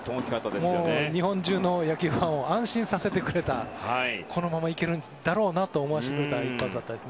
日本中の野球ファンを安心させてくれたこのままいけるだろうなと思わせてくれた一発でした。